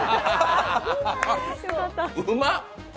あ、うまっ！